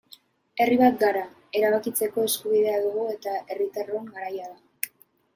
Herri bat gara, erabakitzeko eskubidea dugu eta herritarron garaia da.